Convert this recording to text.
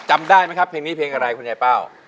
จำได้ไหมครับเพลงนี้เพลงอะไรคุณยายเป้า